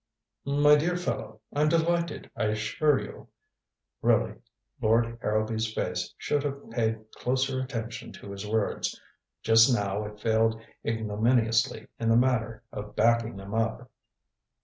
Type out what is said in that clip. "My dear fellow, I'm delighted, I assure you " Really, Lord Harrowby's face should have paid closer attention to his words. Just now it failed ignominiously in the matter of backing them up.